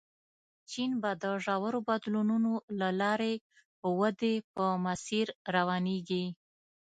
چین به د ژورو بدلونونو له لارې ودې په مسیر روانېږي.